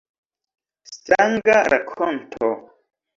Stranga rakonto.